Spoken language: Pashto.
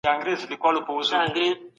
د ناروغانو دعاګانې واخلئ.